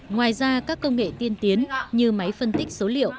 ngoài ra các công nghệ tiên tiến như máy phân tích số liệu